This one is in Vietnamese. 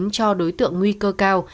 cho đối tượng nguy cơ cao